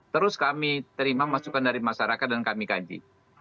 terus kami terima masukan dari masyarakat dan kami kaji